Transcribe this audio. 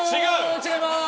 違います！